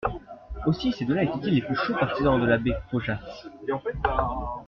Aussi ces deux-là étaient-ils les plus chauds partisans de l'abbé Faujas.